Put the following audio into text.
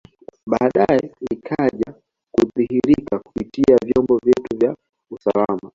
Baadae ikaja kudhihirika kupitia vyombo vyetu vya usalama